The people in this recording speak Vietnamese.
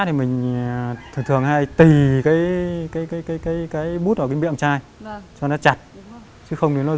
trước khi mình vẽ thì mình thường hay tì cái bút ở cái miệng chai cho nó chặt chứ không thì nó run